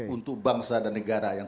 untuk bangsa dan negara yang